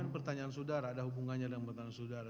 pertanyaan saudara ada hubungannya dengan pertanyaan saudara